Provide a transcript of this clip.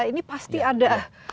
ini pasti ada